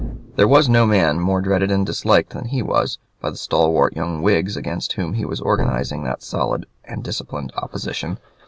There was no man more dreaded and disliked than he was by the stalwart young Whigs against whom he was organizing that solid and disciplined opposition.